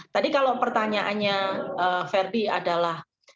tadi kalau pertanyaannya ferdi adalah